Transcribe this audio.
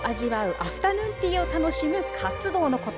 アフタヌーンティーを楽しむ活動のこと。